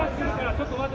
ちょっと待て。